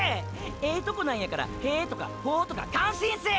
ええとこなんやからへーとかほーとか感心せー！！